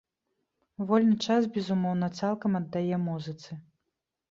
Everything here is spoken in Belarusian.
Вольны час, безумоўна, цалкам аддае музыцы.